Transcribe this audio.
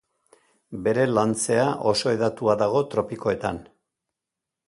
Bere lantzea oso hedatua dago tropikoetan.